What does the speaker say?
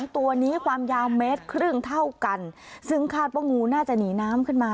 ตัวนี้ความยาวเมตรครึ่งเท่ากันซึ่งคาดว่างูน่าจะหนีน้ำขึ้นมา